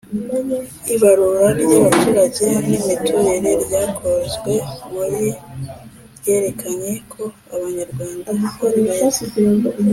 Ibarura ry abaturage n imiturire ryakozwe muri ryerekanye ko abanyarwanda ari beza